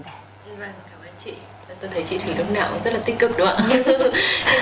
tớ thấy chị thủy lúc nào cũng rất là tích cực đúng không ạ